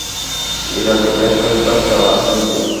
ইরাকে বেশ কয়েকবার যাওয়া হয়েছে।